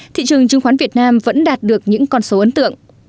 thị trường chứng khoán việt nam vẫn đạt được những con số ấn tượng